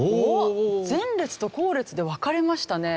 前列と後列で分かれましたね。